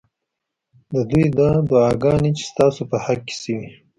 ددوی دا دعاګانې چې ستا سو په حق کي شوي